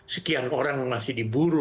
sekian orang masih diburu